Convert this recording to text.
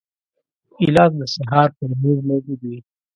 ګیلاس د سهار پر میز موجود وي.